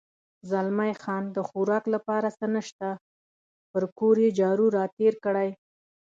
زلمی خان: د خوراک لپاره څه نشته، پر کور یې جارو را تېر کړی.